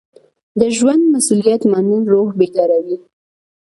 د ژوند مسؤلیت منل روح بیداروي.